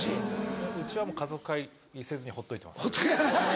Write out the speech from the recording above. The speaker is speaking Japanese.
うちはもう家族会議せずにほっといてます。